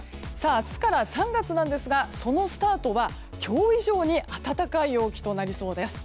明日から３月なんですがそのスタートは今日以上に暖かい陽気となりそうです。